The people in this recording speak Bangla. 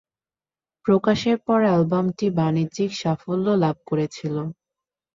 প্রকাশের পর অ্যালবামটি বাণিজ্যিক সাফল্য লাভ করেছিল।